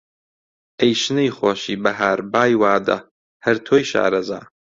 ئەی شنەی خۆشی بەهار، بای وادە! هەر تۆی شارەزا